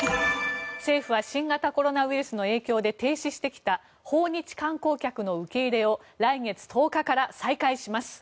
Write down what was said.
政府は新型コロナウイルスの影響で停止してきた訪日観光客の受け入れを来月１０日から再開します。